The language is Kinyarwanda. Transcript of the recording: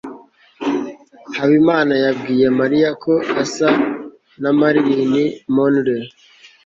habimana yabwiye mariya ko asa na marilyn monroe